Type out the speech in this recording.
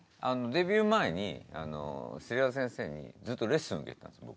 デビュー前に芹澤先生にずっとレッスン受けてたんですよ